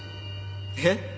えっ？